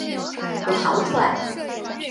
我逃出来